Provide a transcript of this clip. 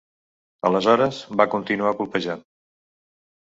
Aleshores, va continuar colpejant.